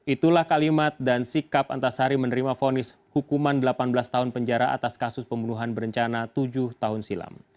itulah kalimat dan sikap antasari menerima fonis hukuman delapan belas tahun penjara atas kasus pembunuhan berencana tujuh tahun silam